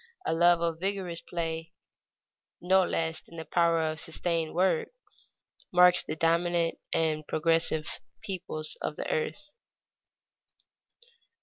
A love of vigorous play no less than the power of sustained work, marks the dominant and progressive peoples of the earth.